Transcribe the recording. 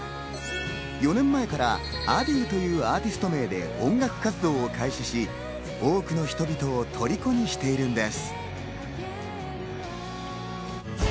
４年前からａｄｉｅｕというアーティスト名で音楽活動を開始し、多くの人々を虜にしているのです。